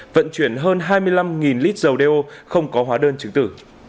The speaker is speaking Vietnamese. vận chuyển hơn hai mươi năm lít dầu đeo không có hóa đơn chứng tử